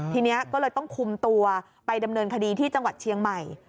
ทีนี้ก็เลยต้องคุมตัวไปดำเนินคดีที่จังหวัดเชียงใหม่